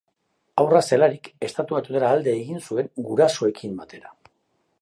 Haurra zelarik Estatu Batuetara alde egin zuen gurasoekin batera.